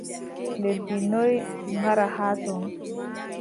Lebbi noy gaɗɗa haa ton ?